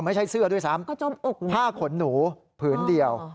ไม่ใช่เสื้อด้วยซ้ำผ้าขนหนูผืนเดียว